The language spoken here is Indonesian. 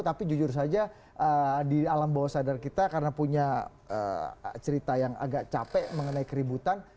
tapi jujur saja di alam bawah sadar kita karena punya cerita yang agak capek mengenai keributan